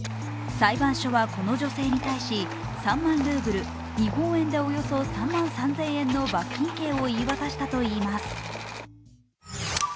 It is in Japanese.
裁判所はこの女性に対し３万ルーブル、日本円でおよそ３万３０００円の罰金刑を言い渡したといいます。